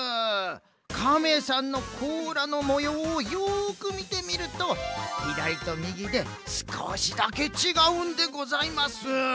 かめさんのこうらのもようをよくみてみるとひだりとみぎですこしだけちがうんでございます。